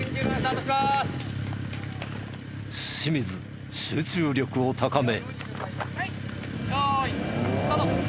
清水集中力を高め。